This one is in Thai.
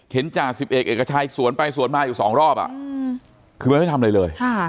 เห็นจ่า๑๑เอกชายสวนไปสวนมาอยู่๒รอบคือไม่ได้ทำอะไรเลย